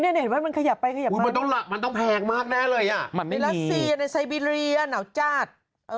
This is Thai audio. แล้วซีในไซเบีเรียหนาวจาด